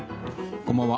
こんばんは。